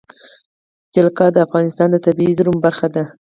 جلګه د افغانستان د طبیعي زیرمو برخه ده.